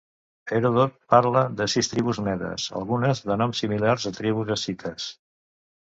Heròdot parla de sis tribus medes, algunes de noms similars a tribus escites.